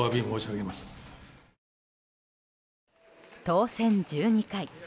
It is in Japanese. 当選１２回。